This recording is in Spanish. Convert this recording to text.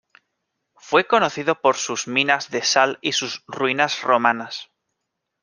Fue conocido por sus minas de sal y sus ruinas romanas.